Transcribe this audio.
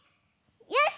よし！